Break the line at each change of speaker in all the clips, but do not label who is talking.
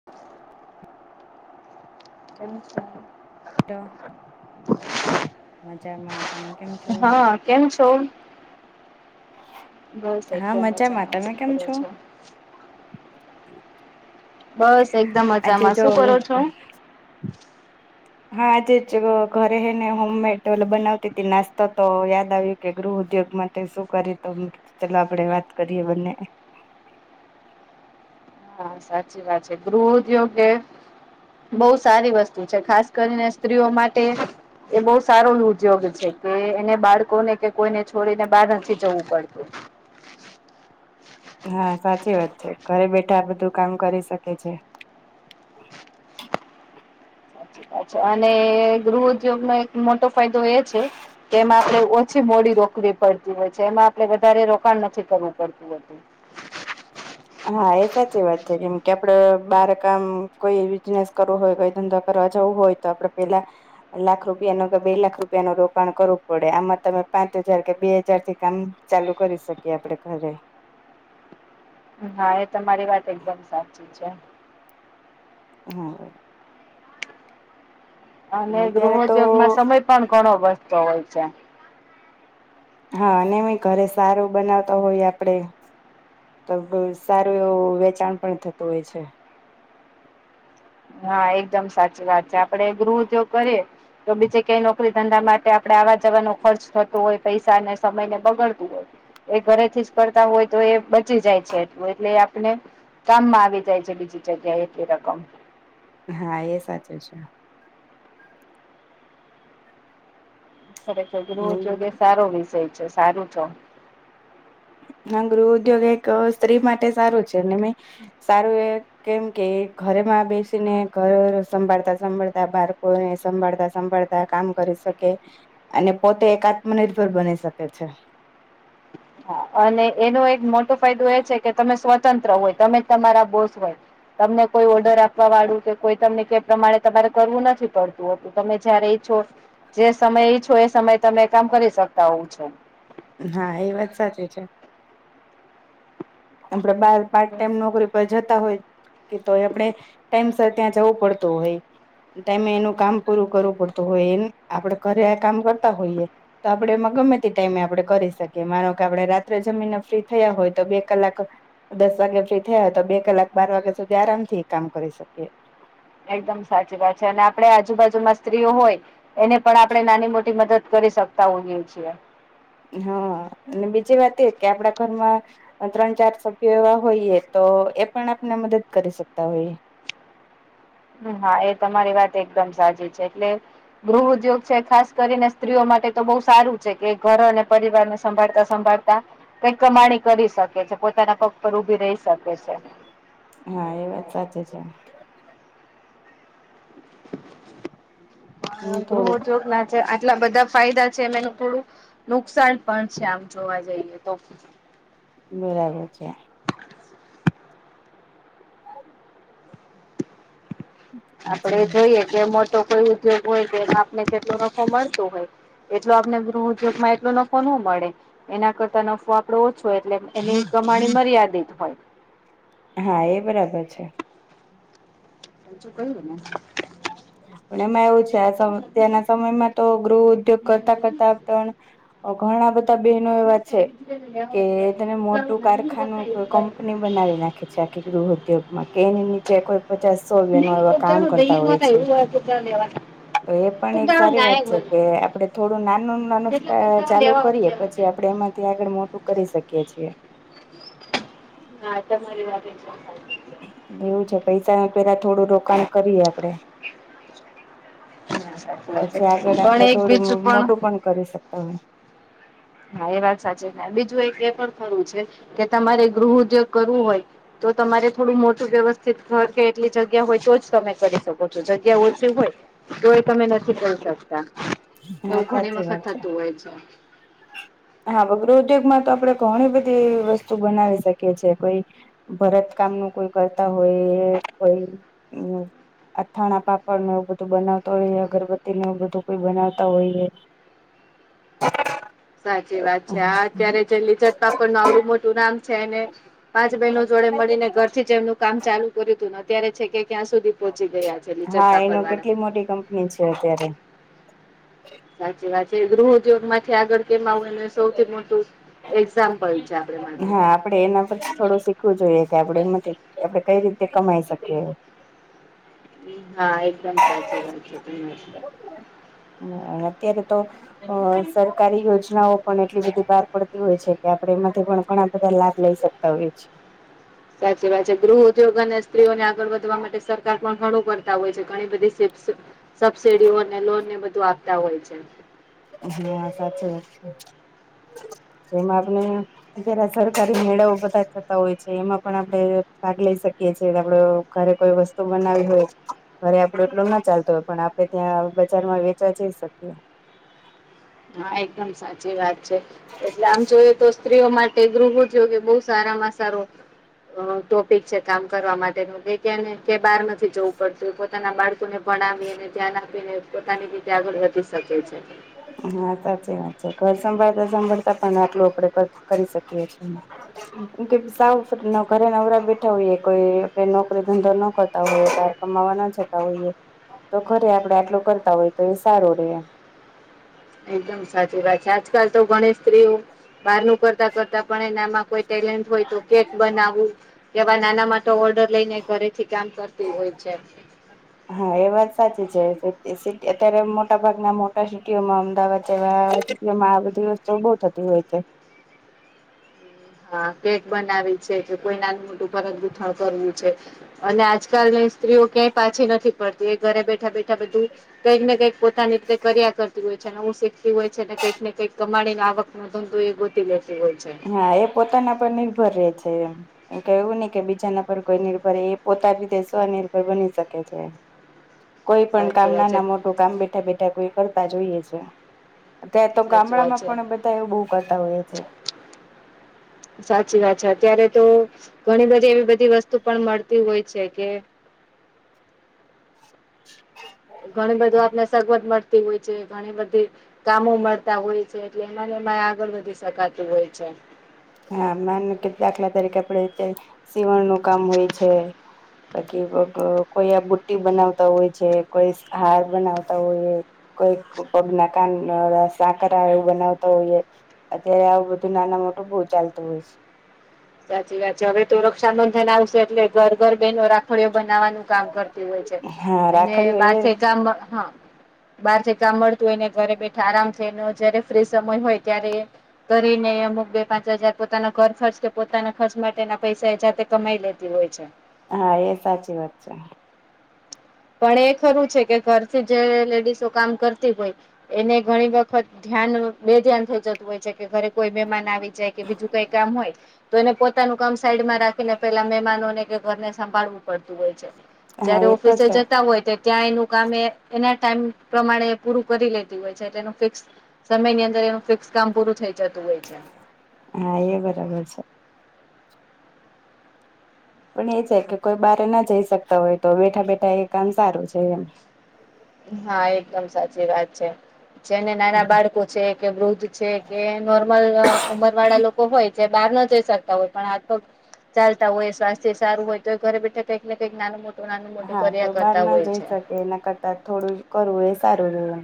[unintelligible] [inaudible] એમજ, [inaudible]
મજામાં. તમે કેમ છો?
હા કેમ છો? બસ
હા,
એકદમ
મજામાં તમે
શું
કેમ
કરો
છો?
બસ એકદમ
આજે
મજામાં
જો
શું કરો છો?
હા આજે જ ઘરે હેને હોમમેડ ઓ બનાવતી હતી, નાસ્તોતો યાદ આવી. કે ગૃહઉદ્યોગ માટે શું કરીતો ચાલ આપડે વાત કરીએ બંને.
હા સાચી વાત છે, ગૃહઉદ્યોગે બહુ સારી વસ્તુ છે, ખાસ કરીને સ્ત્રીઓ માટે. એ બહુ સારો ઉદ્યોગ છે, કે એને બાળકોને કે કોઈને છોડીને બહાર નથી જવું પડતું.
હા સાચી વાત છે, ઘરે બેઠા આ બધું કામ કરી શકે છે.
અચ્છા અને ગૃહ ઉદ્યોગ નો એક મોટો ફાયદો એ છે, એમાં આપણે ઓછી મોડી રોકવી પડતી હોય છે, એમાં આપણે વધારે રોકાણ નથી કરવું પડતું હોતું.
હાએ સાચી વાત છે, કેમ કે, આપડે બાર કામ કોઈ બિઝનેસ કરવું હોય કોઈ ધંધો કરવા જવું હોય. તો આપડે પેલા, લાખ રૂપિયાનો કે બે લાખ રૂપિયાનું રોકાણ કરવું પડે આમાં તમે પાંચ હજાર કે બે હજારથી, કામ ચાલુ કરી શકીએ આપડે ઘરે,
હા, એ તમારી વાત એકદમ સાચી છે.
હા,
અને
અત્યારે તો
ગૃહોદ્યોગમાં સમય પણ ઘણો વધતો હોય છે,
હા અને ઘરે સારું બનાવતા હોય આપડે, તો સારું એવું વેચાણ પણ થતું હોય છે.
હા, એકદમ સાચી વાત છે, આપડે ગૃહજો કરીએ. તો બીજે કંઈ નોકરી ધંધા માટે આપડે આવા જવાનો ખર્ચ થતો હોય પૈસાને સમય ને બગડતું હોય. એ ઘરેથી જ કરતા હોય તોએ બચી જાય છે, એટલું એટલે આપને. કામમાં આવી જાય છે, બીજી જગ્યાએ એટલી રકમ.
હા, એ સાચું છે,
ખરેખર ગૃહઉધોગ એ સારો વિષય છે, સારું છે.
ના ગૃહઉદ્યોગ એક સ્ત્રી માટે સારું છે, સારું એ. કેમ કે, ઘરેમાં બેસીને ઘર સંભાળતા સંભાળતા બાળકોને સંભાળતા સંભાળતા. કામ કરી શકે અને પોતે એક આત્મનિર્ભર બની શકે છે.
હા અને એનો એક મોટો ફાયદો એ છે, કે તમે સ્વતંત્ર હોય તમે તમારા બોસ હોય. તમને કોઈ ઓર્ડર આપવા વાળું કે કોઈ તમને કે પ્રમાણે તમારે કરવું નથી પડતું. તમે જયારે ઈછો જે સમય ઈચ્છો એ સમયે તમે કામ કરી શકતા હોવ છો.
હા એ વાત સાચી છે. આપડે બાર પાર્ટ ટાઈમ નોકરી જતા હોય કે તો આપણે ટાઈમ સર ત્યાં જવું પડતું હોય. ટાઈમે એનું કામ પૂરું કરવું પડતું હોય એ આપડે ઘરે કામ કરતા હોઈએ. તો આપડે એમાં ગમે તે ટાઈમે આપડે કરી શકીએ માનો કે આપડણે રાત્રે જમીને ફ્રી થયા હોય તો બે કલાક દસ વાગે ફ્રી થયા તો બે કલાક બાર વાગ્યા સુધી આરામથી કામ કરી શકીએ.
એકદમ સાચી વાત છે અને આપે આજુબાજુમાં સ્ત્રીઓ હોય એને પણ આપણે નાની મોટી મદદ કરી શકતા હોઈએ છીએ.
હા અને બીજી વાત એ કે આપડા ઘરમાં ત્રણ ચાર સભ્યો એવા હોઈએ તો એ પણ આપને મદદ કરી શકતા હોઈએ.
હમ્મ હા એ તમારી વાત એકદમ સાચી છે એટલે ગૃહ ઉદ્યોગ છે ખાસ કરીને સ્ત્રીઓ માટે તો બહ સારું છે કે ઘર અને પરિવારને સંભાળતા સંભાળતા કઈ કમાણી કરી શકે છે પોતાના પગ પર ઉભી રહી શકે છે.
હા એ વાત સાચી છે. હમ
હ
થોડુંક
ગહ ચોક ના આટલા બધા ફાયદા છે એમ એનું થોડું નુકસાન પણ છે આમ જોવા જઈએ તો
બરાબ છે.
આપડે જોઈએ કે મોટો કોઈ ઉદ્યોગ હોય તો એનો આપને જેટલો નખો મળતું હોય એટલ આપને ગૃહ ઉદ્યોગમાં એટલો નફો ન મળે. એના કરતા નફો આપડો ઓછોય એટલે એની કમાણી મર્યાદિત હોય
હા એ બરાબર છે.
બચ કોઈ બ
પણ એમાં એવું છે આ ત્યાંના સમયમાં તો ગૃહ ઉદ્યોગ કરતા કરતા તણ ઘણા બધા બહેનો એવા છે કે તને મોટું કારખાનું કંપની બનાવી નાખે છે આખી ગૃહ ઉદ્યોગમાં કે એ નીચે કોઈ પચાસ બનો એવા કામ કરતા હોય છે.
[unintelligible]
તો એ પણ એક સારી વાત છે કે આપડે થોડું નાનું નાનુંષા ચાલુ કરીએ પછી આપણેે એમાંથી આગળ મોટું કરી શકીએ છીએ.
ના તમારી વાત શ થાય.
લે એવું છે પૈસા ન પેલા થોડું રોકાણ કરીએ આપડે.
ના સાચી વાત
પછી
છે
આગળ
પણ
આપડે
એક
થોડું
બીજું
મોટું પણ કરી શકતા હોય.
હા એ વાત સાચી છે બીજું એક એ પણ ખરું છે કે તમારે ગૃહ ઉદ્યોગ કરવું હોય. તો તમારે થોડું મોટું વ્યવસ્થિત ઘ કે એટલી જગ્યા હોય તો જ તમે કરી શકો છો જગ્યા ઓછી હોય. તો એ તમે નથી કરી શકતા
હા
એવું ઘણી
સાચી વાત
વખત
છે
થતું હોય છે.
હા વગૃહ ઉદ્યોગમાં તો આપડણે ઘણી બધી વસ્તુ બનાવી શકીએ. કે જે કોઈ ભરત કામ નું કોઈ કરતા હોય કોઈ અથાણા પાપડ ન એવું બધું બનાવતો હોઈએ અગરબત્તી ન એવું બધું કોઈ બનાવતા હોઈએ હા
સાચી વાત છે હા અત્યારે જે લિજત પાપડ ન આવડું મોટું નામ છે એને પાંચ બહેનો જોડે મળીને ઘર થી જેમનું કામ ચાલુ કર્યું હતું ને અત્યારે છે કે ક્યાં સુધી પહોંચી ગયા છે લિજ્જત
હા
પાપડ
એનું
વાળા
કેટલી મોટી કંપની છે અત્યારે
સાચી વાત છે ગૃહોદ્યોગ માંથી આગળ કેમ આવું એનું સૌથી મોટું એક્ઝામ્પલ છે આપ માટે
આપણે એના પર થોડું શીખવું જોઈએ કે આપડ એમાંથી આપડણે કઈ રીતે કમાઈ શકીએ
હા એકદમ સાચી વાત છે ત
હ અત્ય્યારે તો અ સરકારી યોજનાઓ પણ એટલી બધી બહાર પડતી હોય છે કે આપડે એમાંથી પણ ઘણા બધા લાભ લઈ શકીએ ત એ છે
સાચી વાત છે ગૃહ ઉદ્યોગ અને સ્ત્રીઓને આગળ વધવા માટે સરકાર પણ ઘણું કરતા હોય છે ઘણી બધી સબસીિડીઓ અને લોનને બધું આપતા હોય છે
હા સાચી વાત છે તો એમાં આપને અત્યારે સરકારી મેળાઓ બધા થતા હોય છે એમાં પણ આપણે ભાગ લઈ શકીએ છેએ આપડો ઘરે કોઈ વસ્તુ બનાવી હોય અરે આપડો એટલો ના ચાલતો હોય પણ આપડે ત્યાં બજારમાં વેચવા જઈ શકીએ
હા એકદમ સાચી વાત છે એટલે આમ જોઈએ તો સ્ત્રીઓ માટે ગૃહોદ્યોગે બહુ સારામાં સારો ટોપિક છે કામ કરવા માટેનું કે બારમાંથી જવું પડતું પોતાના બાળકોને ભણાવી અનેને ધ્યાન આપીને પોતાની રીતે આગળ વધી શકે છે
હા સાચી વાત છે ઘર સંભાળતા સંંભળતા પણ આટલું આપડ કરી શકીએીએ મ કે સાવ ઘરે નવરા બેઠા હોઈએ કોઈ આપ નોકરી ધંધો ન કરતા હોઈએ કમાવા ના જતા હોઈએ તો ખરે આપડે આટલું કરતા હોય તો એ સારું રેમ
એકદમ સાચી વાત છે આજકાલ તો ગણી સ્ત્રીઓ બહાર ન કરતા કરતા પણ એનામાં કોઈ ટેલેન્ટ હોય તો કેક બનાવવું કેવા નાના માટે ઓર્ડર લઈ ને ઘરેથી કામ કરતી હોય છે
હા એ વાત સાચી છે સટી અત્યારે મોટા ભાગના મોટા સિટીઓમાં અમદાવાદ જેવા જેમાં આ બધી વસ્તુઓ બહુ થતી હોય છે
હા કેક બનાવી છે કે કોઈ નાનું મોટું પરત ગૂથણ કરવું છે અને આજકાલ સ્ત્રીઓ ક્યાંય પાછી નથી પડતી એ ઘરે બેઠા બેઠા બધું કંઈક ને કંઈક પોતાની રીતે કર્યા કરતી હોય છેનેવું શીખતી હોય છે ને કંઈક ને કઈક કમાડીને આવક મત તોું એ ગોતી લીોલ છે
હા એ પોતાના પર નિર્ભર રહે છે એમ એમ કેવું નહી કે બીજાના પર કોઈ નિર્ભર એ પોતા રીતે સ્વનિર્ભર બની શકે છે કોઈ પણ કામ
સાચી વાત છે
નાના મોટું કામ બેઠા બેઠા કોઈ કરતા જોઈએ છે અત તો
સાચી વાત
ગામડામાં
છે
પણ બધા એવું બહુ કરતા હોય છે
સાચી વાત છે અત્યારે તો ઘણી બધી એવી બધી વસ્તુ પણ મળતી હોય છે કે ઘણી બધું આપને સગવત મળતી હોય છે ઘણી બધી કામો મળતા હોય છે એટલે એમાંને એમાં આગળ વધી શકાતું હોય છે
હા માનું કે દાખલા તરીકે આપડ સીવણ નું કામ હોય છે બાકી કોઈ આ બુટ્ટી બનાવતા હોય છે કોઈ હાર બનાવતા હોય કોઈક પગ ના કાન સાકર એવું બનાવતા હોઈએ અત્યારે આવું બધું નાના મોટું બહવ ચાલતું હોય છે
સાચી વાત છે હવે તો રક્ષા નોંધને આવશે એટલે ઘર ઘર બહેનો રાખ ખડીઓ બનાવાનું કામ કરતી હોય છે
હા
અને
રાખડીઓ
બા
એ
કામ હા બહાર થી કામ મળતું હોય ને ઘરે બેઠા આરામ થઈ જયારે ફ્રી સમય હોય ત્યારે કરી ને અમુક બે પાંચ હજાર પોતાના ઘર ખરચ પોતાના ખર્ચ માટેના પૈસા એ જાતે કમાઈ લેતી હોય છે
હા એ સાચી વાત છે
પણ એ ખરું છે કે ઘરથી જે લેડીસો કામ કરતી હોય એને ઘણી વખત ધ્યાન બે ધ્યાન થઈ જતું હોય છે કે ઘરે કોઈ મહેમાન આવી જાય કે બીજું કઈ કામ હોય તો એને પોતાનું કામ સાઈડમાં રાખીને પેલા મહેમાનોને કે ઘરને સંભાળવું પડતું હોય છે
હા
જયારે
એ તો
ઓફિસે
છે
જ હોય ત્યાં એનું કામ એ એના ટાઈમ પ્રમાણે પૂરું કરી લેતી હોય છે તેનું ફિક્સ સમયની અંદર એનું ફિક્સ કામ પૂરું થઈ જતું હોય છે
હા એ બરાબર છે પણ એ છે કે કોઈ બારે ના જઈ શકતા હોય તો બેઠા બેઠા એ કામ સારું છે એમ
હા એકદમ સાચી વાત છે જે ને નાના બાળકો છે કે વૃદ્ધ છે કે નોર્મલ ઉંમર વાળા લોકો હોય જે બહાર ન જઈ શકતા હોય પણ આ તો ચાલતા હોય સ્વાસ્થ્ય સારું હોય તો ઘરે બેઠા કંઈક ને કંઈક નાનું મોટું નાનું મોટું
હા તો
કર્યા
બહાર
કરતા
ના
હોય
જઈ
છે
શકે એના થોડું કરવું એ સારું જ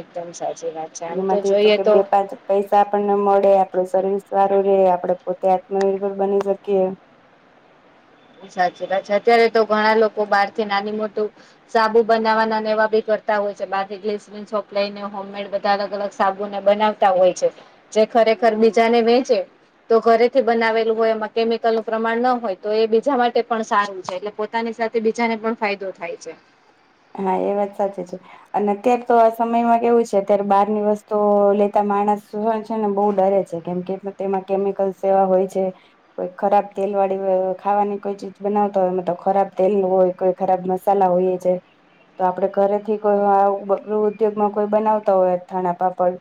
એકદમ સાચી વાત છે આમ તો
એમાંથી
જોઈએ
કે
તો
બે પાંચ પૈસા આપણને મળે આપડું શરીર સારું રે આપડે પોતે આત્મનિર્ભર બની શકીએ
સાચી વાત છે અત્યારે તો ઘણા લોકો બહાર થી નાની મોટું સાબુ બનાવવા ના ને એવા બી કરતા હોય છે બાકી ગ્લિસરિ [unintelligible] હોમમેડ બધા અલગ અલગ સાબુને બનાવતા હોય છે જે ખરેખર બીજાને વેચે તો ઘરેથી બનાવેલું હોય એમાં કેમિકલ નું પ્રમાણ ન હોય તો એ બી જા માટે પણ સારું છે એટલે પોતાની સાથે બીજાને પણ ફાયદો થાય છે
હા એ વાત સાચી છે અને અત્યારે તો આ સમયમાં કેવું છે અત્યારે બહાર ની વસ્તુ લેતા માણસ છે ને બહુ ડરે છે કેમ કે તેમાં કેમિકલ્સ એવા હોય છે કોઈ ખરાબ તેલ વાળી ખાવાની કોઈ ચીજ બનાવતા હોય એમાં તો ખરાબ તેલ નું હોય કોઈ ખરાબ મસાલા હોઈએ છે તો આપડે ઘરેથી કોઈ ગૃહઉદ્યોગમાં કોઈ બનાવતા હોય અથાણા પાપડ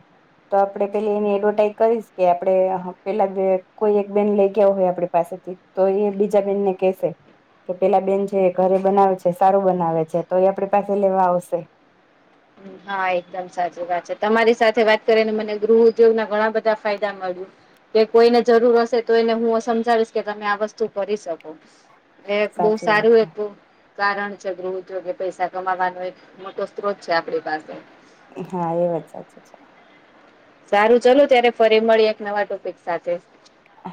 તો આપડે પેલી એની એડવર્ટાઈઝ કરીશ કે આપડે પેલા કોઈ એક બેન લઈ ગયા હોય આપણી પાસેથી તો એ બીજા બેનને કેહેશે કે પેલા બેન જે ઘરે બનાવે છે સારું બનાવે છે તો એ આપડે પાસે લેવા આવશે
હા એકદમ સાચી વાત છે તમારી સાથે વાત કરીને મને ગૃહ ઉદ્યોગ ના ઘણા બધા ફાયદા મળ્યું કે કોઈને જરૂર હશે તો એને હું સમજાવીશ કે તમે આ વસ્તુ કરી શકો એ બહુ
સાચી વાત
સારું
છે
એક કારણ છે ગૃહ્યોગ પૈસા કમાવાનો એક મોટો સ્ત્રોત છે આપણી પાસે
હા એ વાત સાચી છે
સારું ચાલો ત્યારે ફરી મળી એક નવા ટોપિક સાથે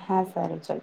હા સારું ચાલ